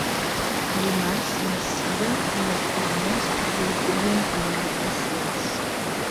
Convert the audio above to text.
Dimarts na Sira i na Farners voldrien anar a Sils.